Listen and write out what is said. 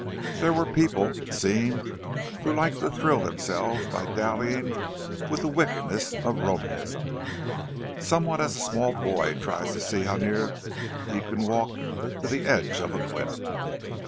There were people, it seemed, who like to thrill themselves by dallying with the wickedness of "Romanism"; somewhat as a small boy tries to see how near he can walk to the edge of a cliff.